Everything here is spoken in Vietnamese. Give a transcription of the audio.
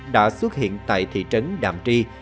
đã xuất hiện tại thị trấn đàm tri